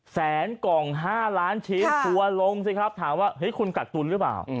แสนกล่อง๕ล้านชิ้นทัวร์ลงสิครับถามว่าเฮ้ยคุณกักตุลหรือเปล่า